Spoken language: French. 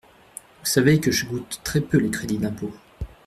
Vous savez que je goûte très peu les crédits d’impôt.